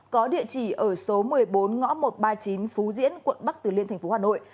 có địa chỉ ở số một mươi bốn ngõ một trăm ba mươi chín phú diễn quận bắc từ liêm tp hà nội